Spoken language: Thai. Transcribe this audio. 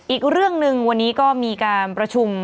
อีกเรื่องหนึ่งวันนี้ก็มีการประชุม